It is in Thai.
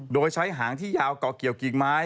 โดยใช้หางที่ยาวก่อเกี่ยวกิ่งไม้